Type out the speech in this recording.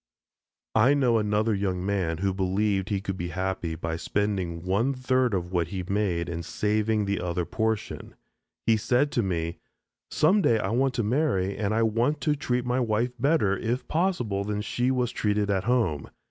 I know another young man who believed he could be happy by spending one third of what he made and saving the other portion. He said to me, "some day I want to marry and I want to treat my wife better, if possible, than she was treated at home.